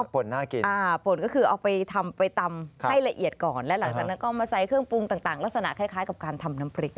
ป่นน่ากินป่นก็คือเอาไปทำไปตำให้ละเอียดก่อนและหลังจากนั้นก็มาใส่เครื่องปรุงต่างลักษณะคล้ายกับการทำน้ำพริก